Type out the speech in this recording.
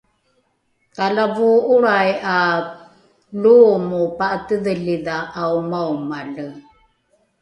talavoo’olrai ’a loomo pa’atedhelidha ’aomaomale